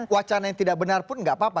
wacana yang tidak benar pun nggak apa apa